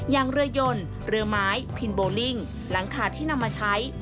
อย่างเรือยนเรือไม้พินโบลิ่งหลังคาที่นำมาใช้